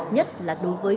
nhất là đối với